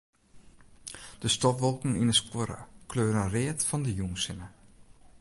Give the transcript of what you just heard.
De stofwolken yn 'e skuorre kleuren read fan de jûnssinne.